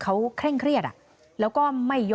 คุยกับตำรวจเนี่ยคุยกับตำรวจเนี่ย